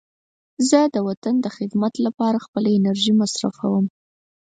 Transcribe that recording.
زه د وطن د خدمت لپاره خپله انرژي مصرفوم.